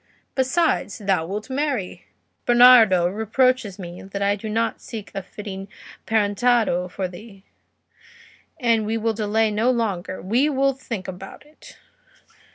Besides, thou wilt marry; Bernardo reproaches me that I do not seek a fitting parentado for thee, and we will delay no longer, we will think about it."